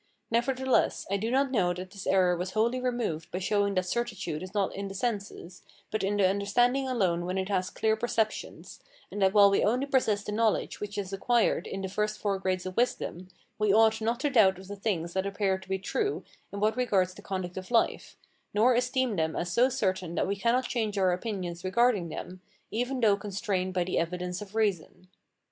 Nevertheless, I do not know that this error was wholly removed by showing that certitude is not in the senses, but in the understanding alone when it has clear perceptions; and that while we only possess the knowledge which is acquired in the first four grades of wisdom, we ought not to doubt of the things that appear to be true in what regards the conduct of life, nor esteem them as so certain that we cannot change our opinions regarding them, even though constrained by the evidence of reason.